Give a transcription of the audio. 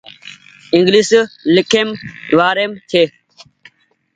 انگليش ليکيم وآريم ڇي